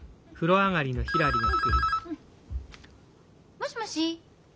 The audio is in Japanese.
☎もしもし。